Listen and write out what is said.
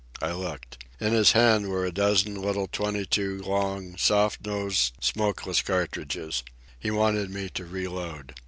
I looked. In his hand were a dozen little .22 long, soft nosed, smokeless cartridges. He wanted me to reload.